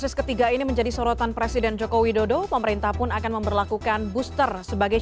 selamat malam pak syahril